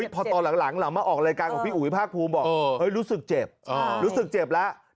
พอตอนหลังมาออกรายการของพี่อุ๋ยภาคภูมิบอกรู้สึกเจ็บรู้สึกเจ็บแล้ว